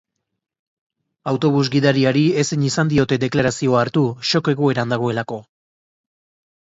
Autobus-gidariari ezin izan diote deklarazioa hartu, shock egoeran dagoelako.